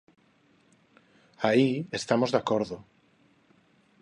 Aí estamos de acordo.